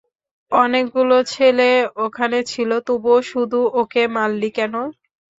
অনেকগুলো ছেলে ওখানে ছিল, তবুও শুধু ওকে মারলি কেন?